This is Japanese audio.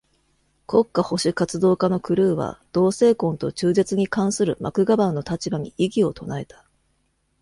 国家保守活動家のクルーは、同性婚と中絶に関するマクガヴァンの立場に異議を唱えた。